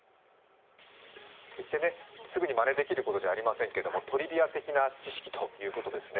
決して、すぐにまねできることではありませんがトリビア的な知識ということですね。